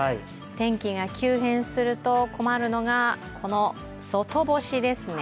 天気が急変すると困るのが外干しですね。